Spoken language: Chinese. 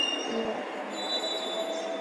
防己叶菝葜为百合科菝葜属下的一个种。